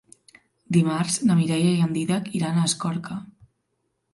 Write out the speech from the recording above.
Dimarts na Mireia i en Dídac iran a Escorca.